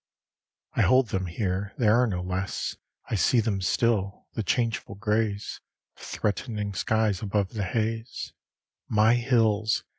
XLIV I hold them here; they are no less; I see them still the changeful grays Of threatening skies above the haze My hills!